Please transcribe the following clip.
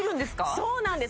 そうなんです